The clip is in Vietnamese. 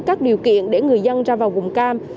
các điều kiện để người dân ra vào vùng cam